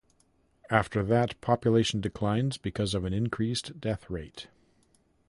After that population declines because of an increased death rate.